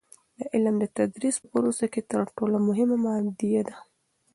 د علم د تدریس په پروسه کې تر ټولو مهمه مادیه ده.